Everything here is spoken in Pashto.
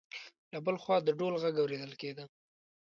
له بل خوا د ډول غږ اوریدل کېده.